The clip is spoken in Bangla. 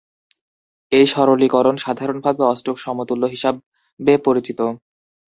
এই সরলীকরণ সাধারণভাবে অষ্টক সমতুল্য হিসাবে পরিচিত।